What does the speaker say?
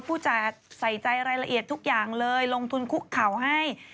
ผู้จัดใส่ใจรายละเอียดทุกอย่างเลยลงทุนคุกเข่าให้